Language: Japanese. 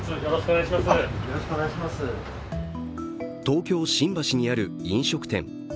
東京・新橋にある飲食店。